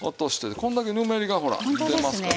こんだけぬめりがほら出ますからね。